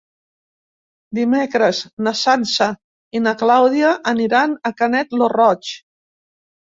Dimecres na Sança i na Clàudia aniran a Canet lo Roig.